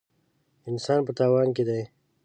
انسان په تاوان کې دی.